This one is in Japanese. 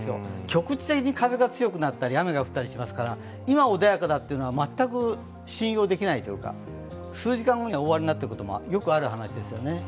局地的に風が強くなったり、雨が降ったりしますから今穏やかだというのは、全く信用できないというか、数時間後には大荒れになっていることも、よくある話ですよね。